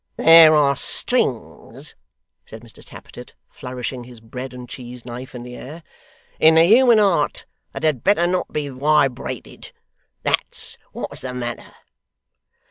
'There are strings,' said Mr Tappertit, flourishing his bread and cheese knife in the air, 'in the human heart that had better not be wibrated. That's what's the matter.